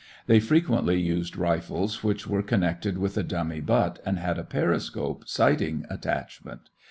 They frequently used rifles which were connected with a dummy butt and had a periscope sighting attachment.